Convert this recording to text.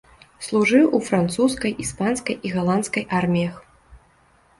Служыў у французскай, іспанскай і галандскай арміях.